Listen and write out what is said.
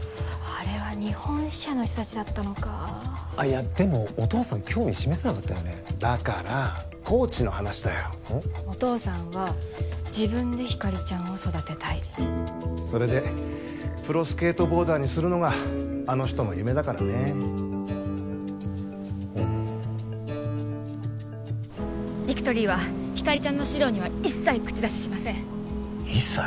あれは日本支社の人達だったのかいやでもお父さん興味示さなかったよねだからコーチの話だよお父さんは自分でひかりちゃんを育てたいそれでプロスケートボーダーにするのがあの人の夢だからねビクトリーはひかりちゃんの指導には一切口出ししません一切？